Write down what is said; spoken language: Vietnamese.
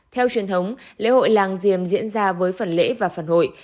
theo truyền thống lễ hội làng diềm diễn ra với phần lễ và phần hội